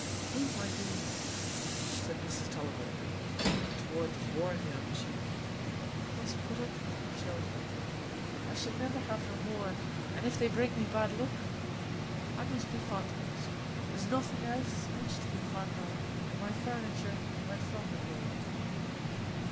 "Eh, my dear," said Mrs Tulliver, leaning toward the warm young cheek; "I must put up wi' my children,—I shall never have no more; and if they bring me bad luck, I must be fond on it. There's nothing else much to be fond on, for my furnitur' went long ago.